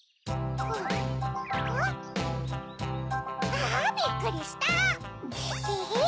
あびっくりしたテヘっ。